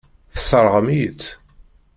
Tesseṛɣem-iyi-tt.